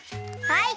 はい！